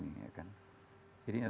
jadi ini adalah hikmahnya